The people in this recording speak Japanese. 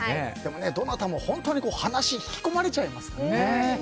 どなたも本当に話に引き込まれちゃいますね。